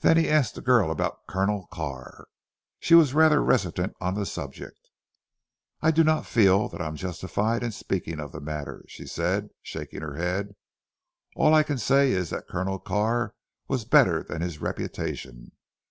Then he asked the girl about Colonel Carr. She was rather reticent on the subject. "I do not feel that I am justified in speaking of the matter," she said shaking her head, "all I can say is that Colonel Carr was better than his reputation.